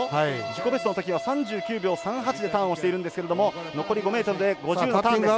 自己ベストのときは３９秒３８でターンをしているんですけれども残り５ｍで５０のターンです。